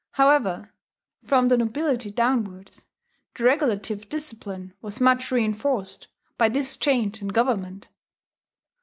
However, from the nobility downwards, the regulative discipline was much reinforced by this change in government.